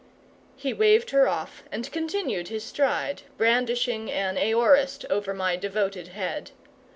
He waved her off and continued his stride, brandishing an aorist over my devoted head.